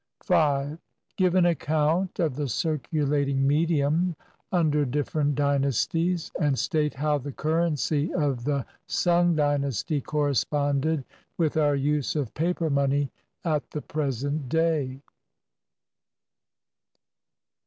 5. Give an account of the circulating medium under different dynasties, and state how the currency of the Sung Dynasty corresponded with our use of paper money at the present day.